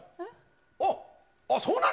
あっ、そうなの？